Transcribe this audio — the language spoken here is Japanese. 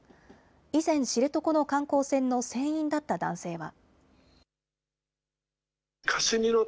以前、知床の観光船の船員だった男性は。